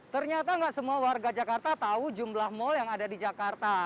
ternyata nggak semua warga jakarta tahu jumlah mal yang ada di jakarta